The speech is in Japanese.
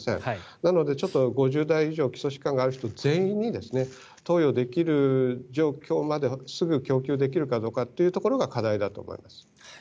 なので５０代以上基礎疾患がある人全員に投与できる状況まですぐ供給できるかどうかが課題だと思います。